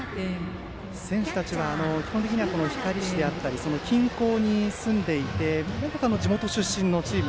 選手たちは基本的には光市だったり、近郊に住んでいて地元出身のチーム。